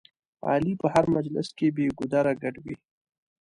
علي په هر مجلس کې بې ګودره ګډ وي.